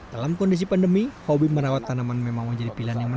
dalam kondisi pandemi hobi merawat tanaman memang menjadi peningkatan